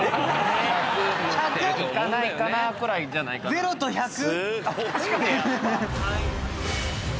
ゼロと１００！？